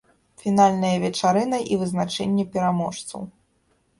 Фінальная вечарына і вызначэнне пераможцаў.